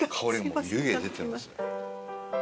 もう湯気出てます。